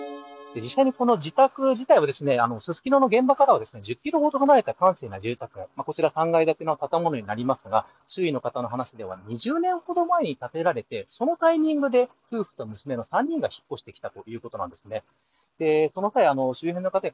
非常にこの自宅自体はススキノの現場からは１０キロほど離れた閑静な住宅街こちら、３階建ての自宅になりますが周囲の方の話では２０年ほど前に建てられてそのタイミングで夫婦と娘の３人が引っ越してきたということです。